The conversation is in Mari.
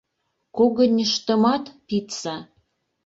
Когыньыштымат пидса!..